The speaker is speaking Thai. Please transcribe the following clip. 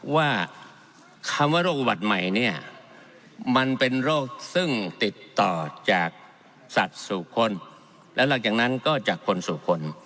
ว่าคำว่าโรคอุบัติใหม่เนี่ยมันเป็นโรคซึ่งติดต่อจากสัตว์สู่คนแล้วหลังจากนั้นก็จากคนสู่คน